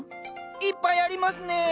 いっぱいありますね。